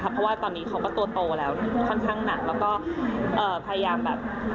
เพราะว่าตอนนี้เขาก็ตัวโตแล้วค่อนข้างหนักแล้วก็พยายามแบบ